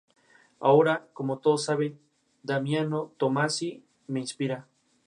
Su nombre es homenaje a Cecil Rhodes.